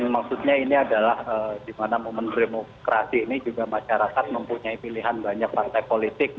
maksudnya ini adalah di mana momen demokrasi ini juga masyarakat mempunyai pilihan banyak partai politik